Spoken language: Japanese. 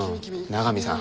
長見さん